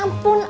enak dulu itu